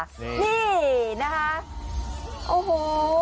นี่นะคะโอ้โห